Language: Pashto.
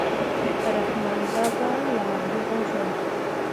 د رحمان بابا لاندې غزل